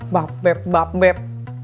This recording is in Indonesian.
bab beb bab beb